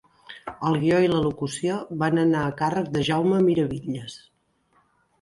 El guió i la locució van anar a càrrec de Jaume Miravitlles.